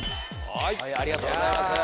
はいはいありがとうございます